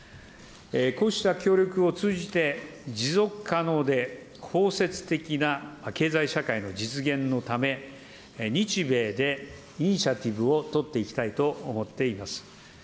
こうした協力を通じて、持続可能で、こうせつ的な経済社会の実現のため、日米でイニシアティブを取っていきたいと思っています。